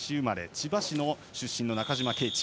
千葉市の出身の中島啓智。